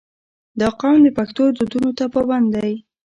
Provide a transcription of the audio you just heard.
• دا قوم د پښتو دودونو ته پابند دی.